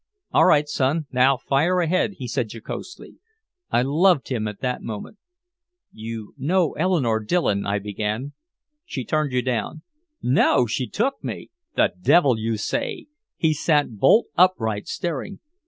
"All right, son, now fire ahead," he said jocosely. I loved him at that moment. "You know Eleanore Dillon," I began. "She turned you down!" "No! She took me!" "The devil you say!" He sat bolt upright, staring.